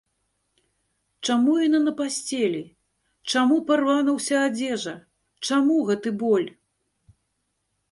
Чаму яна на пасцелі, чаму парвана ўся адзежа, чаму гэты боль?